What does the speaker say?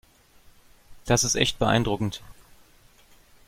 Das ist echt beeindruckend.